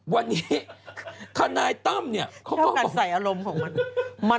วันนี้ธนายต้ำเขาก็บอกว่าเขากันใส่อารมณ์ของมัน